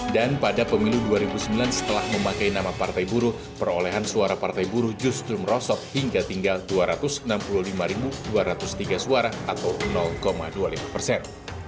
dan pada pemilu dua ribu sembilan setelah memakai nama partai buruh perolehan suara partai buruh justru merosot hingga tinggal dua ratus enam puluh lima dua ratus tiga suara atau dua puluh lima persen